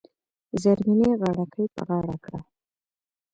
زرمینې غاړه ګۍ په غاړه کړه .